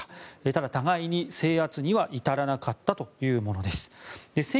ただ、たがいに制圧には至らなかったというものです。